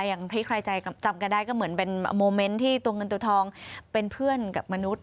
อย่างที่ใครใจจำกันได้ก็เหมือนเป็นโมเมนต์ที่ตัวเงินตัวทองเป็นเพื่อนกับมนุษย